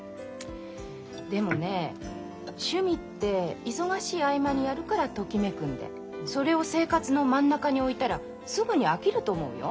でもね趣味って忙しい合間にやるからときめくんでそれを生活の真ん中に置いたらすぐに飽きると思うよ。